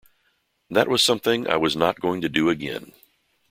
That was something I was not going to do again.